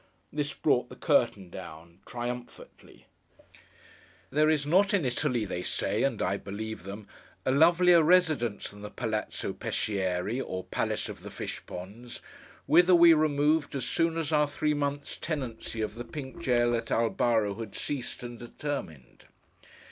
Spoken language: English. This brought the curtain down, triumphantly. There is not in Italy, they say (and I believe them), a lovelier residence than the Palazzo Peschiere, or Palace of the Fishponds, whither we removed as soon as our three months' tenancy of the Pink Jail at Albaro had ceased and determined.